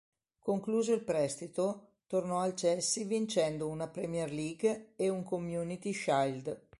Concluso il prestito, tornò al Chelsea vincendo una Premier League e un Community Shield.